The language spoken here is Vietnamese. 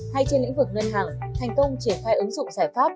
hay trên lĩnh vực ngân hàng thành công triển khai ứng dụng giải pháp